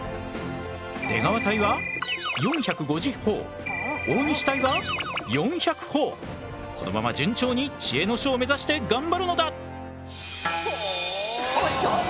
出川隊は大西隊はこのまま順調に知恵の書を目指して頑張るのだ！